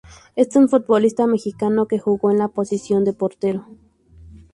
Es un futbolista mexicano que jugó en la posición de portero.